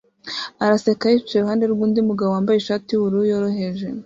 araseka yicaye iruhande rwundi mugabo wambaye ishati yubururu yoroheje